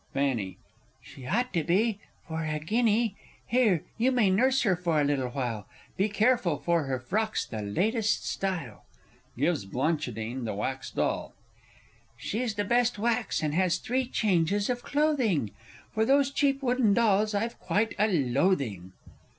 Fanny. She ought to be for a guinea! Here, you may nurse her for a little while. Be careful, for her frock's the latest style. [Gives BLAN. the wax doll. She's the best wax, and has three changes of clothing For those cheap wooden dolls I've quite a loathing.